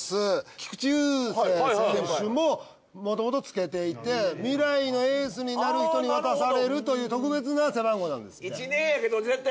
菊池雄星選手ももともとつけていて未来のエースになる人に渡されるという特別な背番号なんですって。